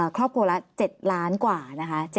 ครอบครัวละ๗ล้านกว่านะคะ